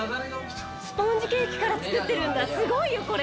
スポンジケーキから作ってるんだすごいよこれ！